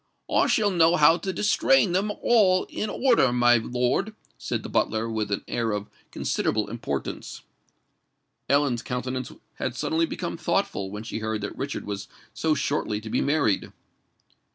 "I shall know how to distrain 'em all in order, my lord," said the butler, with an air of considerable importance. Ellen's countenance had suddenly become thoughtful, when she heard that Richard was so shortly to be married.